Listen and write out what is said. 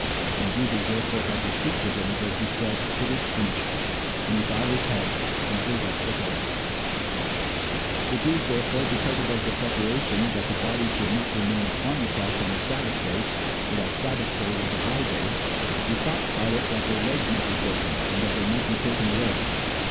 When Jesus therefore had received the vinegar, he said, It is finished: and he bowed his head, and gave up the ghost. [Illustration: THE ENTOMBMENT, BY TITIAN IN THE LOUVRE, PARIS] The Jews therefore, because it was the preparation, that the bodies should not remain upon the cross on the sabbath day, (for that sabbath day was an high day,) besought Pilate that their legs might be broken, and that they might be taken away.